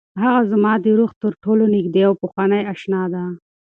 هغه زما د روح تر ټولو نږدې او پخوانۍ اشنا ده.